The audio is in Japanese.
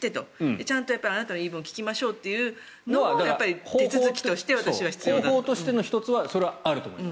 ちゃんとあなたの言い分を聞きましょうというのは手続きとして必要だと思います。